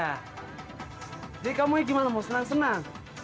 jadi kamu ini gimana mau senang senang